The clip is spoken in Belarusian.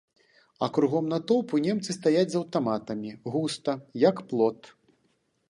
А кругом натоўпу немцы стаяць з аўтаматамі, густа, як плот.